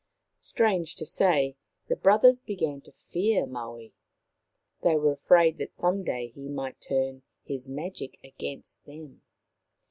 Strange to say, the brothers began to fear Maui. They were afraid that some day he might turn his magic against them.